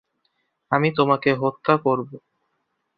আমি তোমাকে হত্যা করবো।